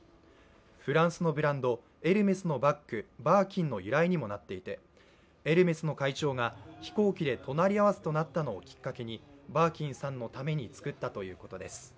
フランスのブランド・エルメスのバッグ、バーキンの由来にもなっていて、エルメスの会長が飛行機で隣り合わせとなったのをきっかけにバーキンさんのために作ったということです。